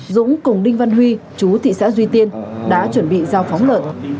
dũng cùng đinh văn huy chú thị xã duy tiên đã chuẩn bị giao phóng lợn